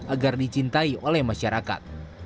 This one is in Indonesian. agar dicintai oleh masyarakat